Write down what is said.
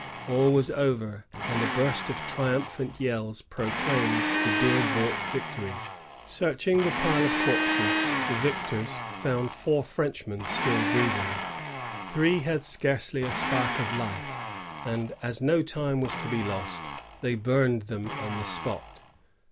All was over, and a burst of triumph ant yells proclaimed the dear bought victory. Searching the pUe of corpses, the victors found four Frenchmen still breathing. Three had scarcely a spark of Ufe, and, as no time was to be lost, they burned them on the spot.